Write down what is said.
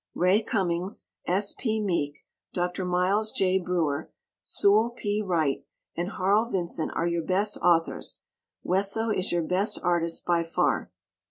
Ray Cummings, S. P. Meek, Dr. Miles J. Breuer, Sewell P. Wright and Harl Vincent are your best authors. Wesso is your best artist by far.